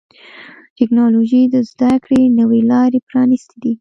ټکنالوجي د زدهکړې نوي لارې پرانستې دي.